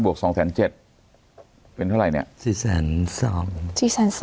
วก๒๗๐๐เป็นเท่าไหร่เนี่ย